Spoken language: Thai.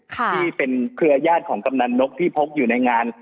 ที่เป็นเครือญาติของกำนันนกที่พกอยู่ในงาน